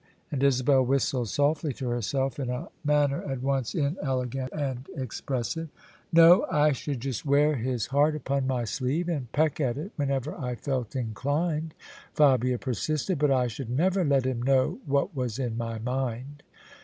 And Isabel whistled softly to herself, in a manner at once inelegant and ex pressive. " No. I should just wear his heart upon my sleeve and peck at it whenever I felt inclined," Fabia persisted :" but I should never let him know what was in my mind."